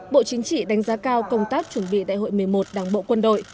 bộ chính trị đánh giá cao công tác chuẩn bị đại hội một mươi một đảng bộ quân đội